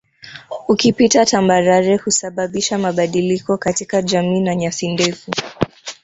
Ukipita tambarare husababisha mabadiliko katika jami na nyasi ndefu